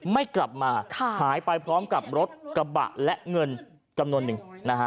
ไม่กลับมาหายไปพร้อมกับรถกระบะและเงินจำนวนหนึ่งนะฮะ